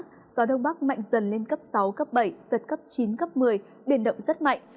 gió đông bắc mạnh dần lên cấp sáu bảy giật cấp chín một mươi biển động rất mạnh